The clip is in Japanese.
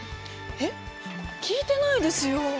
えっ聞いてないですよ。